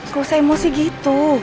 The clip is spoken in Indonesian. kok usah emosi gitu